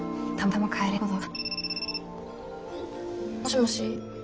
もしもし。